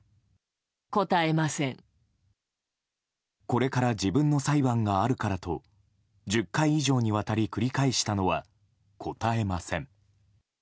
これから自分の裁判があるからと１０回以上にわたり繰り返したのは、答えません。